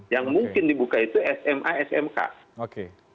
yang mungkin dibuka itu sma smk